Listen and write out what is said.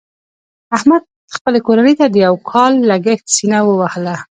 احمد خپلې کورنۍ ته د یو کال لګښت سینه ووهله.